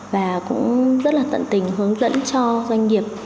và cũng rất là tận tình hướng dẫn cho doanh nghiệp